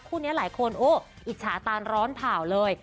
คู่นี้หลายคนโอ้อิจฉาตานร้อนผ่าเลย